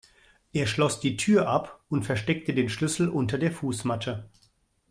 Er schloss die Tür ab und versteckte den Schlüssel unter der Fußmatte.